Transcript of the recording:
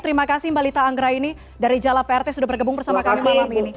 terima kasih mbak lita anggraini dari jalap rt sudah bergebung bersama kami malam ini